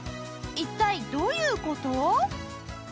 一体どういう事？